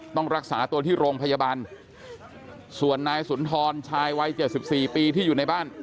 ต้องรักษาตัวที่โรงพยาบาลส่วนนายสุนทรชายวัย๗๔ปีที่อยู่ในบ้าน